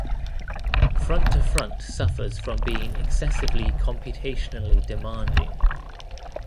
Front-to-Front suffers from being excessively computationally demanding.